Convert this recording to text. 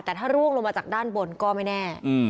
แต่ถ้าร่วงลงมาจากด้านบนก็ไม่แน่